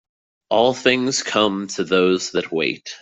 All things come to those that wait.